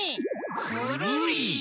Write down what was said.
くるり！